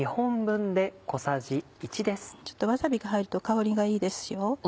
ちょっとわさびが入ると香りがいいですよ。